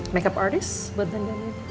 makeup artist buat ndin